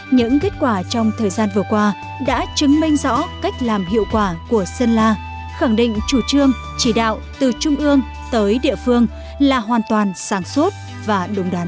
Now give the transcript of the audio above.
những kết quả trong thời gian vừa qua đã chứng minh rõ cách làm hiệu quả của sơn la khẳng định chủ trương chỉ đạo từ trung ương tới địa phương là hoàn toàn sáng suốt và đúng đắn